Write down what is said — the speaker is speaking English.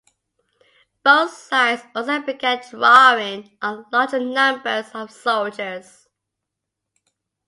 Both sides also began drawing on larger numbers of soldiers.